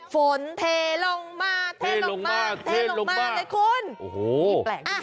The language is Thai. ฝนเทลงมาเทลงมาเทลงมาโอ้โห